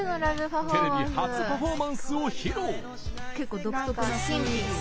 テレビ初パフォーマンスを披露。